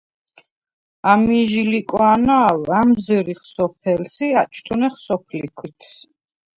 ამი̄ ჟი ლიკვა̄ნა̄ლვ ა̈მზჷრიხ სოფელს ი აჭთუნეხ სოფლი ქვითს.